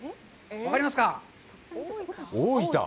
分かりますか？